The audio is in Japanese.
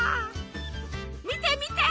見て見て！